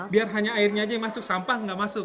biar hanya airnya aja yang masuk sampah nggak masuk